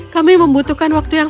kami membutuhkan waktu yang